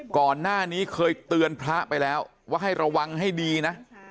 ก่อนหน้านี้เคยเตือนพระไปแล้วว่าให้ระวังให้ดีนะ